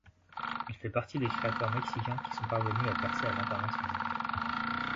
Il fait partie des créateurs mexicains qui sont parvenus à percer à l'international.